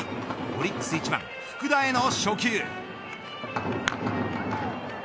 オリックス１番、福田への初球。